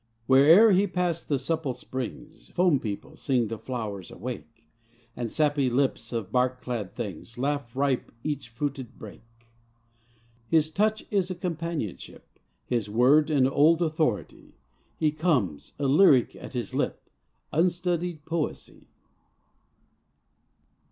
Where'er he pass the supple springs' Foam people sing the flowers awake; And sappy lips of bark clad things Laugh ripe each fruited brake. His touch is a companionship; His word, an old authority: He comes, a lyric at his lip, Unstudied Poesy.